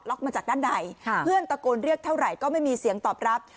มาจากด้านในเพื่อนตะโกนเรียกเท่าไหร่ก็ไม่มีเสียงตอบรับ